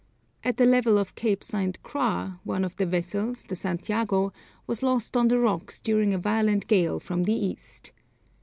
At the level of Cape St. Croix, one of the vessels, the Santiago, was lost on the rocks during a violent gale from the east.